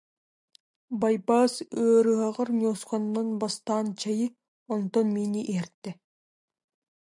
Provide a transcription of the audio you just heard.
Байбаас ыарыһаҕар ньуосканан бастаан чэйи, онтон миини иһэртэ